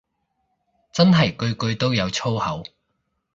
真係句句都有粗口